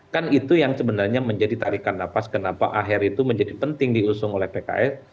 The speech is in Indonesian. kan itu yang sebenarnya menjadi tarikan nafas kenapa akhir itu menjadi penting diusung oleh pks